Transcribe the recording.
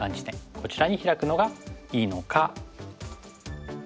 こちらにヒラくのがいいのか。